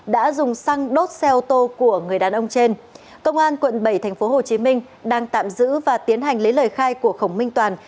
đã dùng xăng đốt xe ô tô của người đàn ông trên công an quận bảy thành phố hồ chí minh đang tạm giữ và tiến hành lấy lời khai của khổng minh toàn